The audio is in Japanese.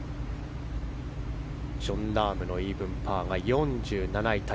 ジョン・ラームのイーブンパーが４７位タイ。